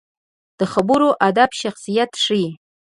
د خبرو ادب شخصیت ښيي